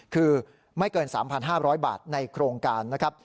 คือไม่เกิน๓๕๐๐บาทในโครงการนะครับ